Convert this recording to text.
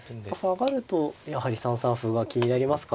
下がるとやはり３三歩が気になりますかね。